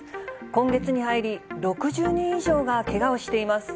今月に入り６０人以上がけがをしています。